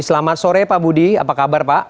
selamat sore pak budi apa kabar pak